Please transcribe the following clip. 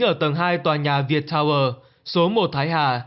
ở tầng hai tòa nhà viettower số một thái hà